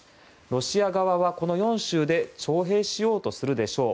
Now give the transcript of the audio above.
ロシア側はこの４州で徴兵しようとするでしょう。